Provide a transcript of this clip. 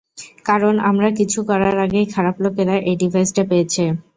কারণ আমরা কিছু করার আগেই খারাপ লোকেরা এই ডিভাইসটা পেয়েছে।